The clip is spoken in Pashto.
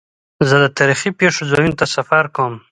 زه د تاریخي پېښو ځایونو ته سفر کوم.